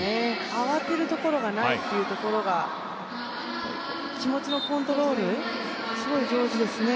慌てるところがないというところが、気持ちのコントロール、すごい上手ですね。